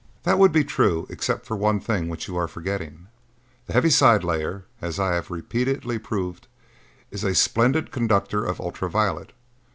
"That would be true except for one thing which you are forgetting. The heaviside layer, as I have repeatedly proved, is a splendid conductor of ultra violet.